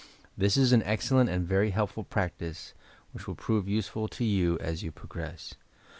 This is an excellent and very helpfnl practice which will prove useful to you as you progress.